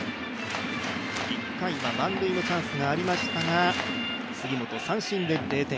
１回は満塁のチャンスがありましたが、杉本が三振で０点。